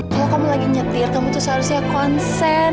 kalau kamu lagi nyetir kamu tuh seharusnya konsen